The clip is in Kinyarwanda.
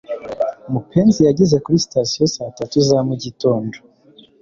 mupenzi yageze kuri sitasiyo saa tatu za mugitondo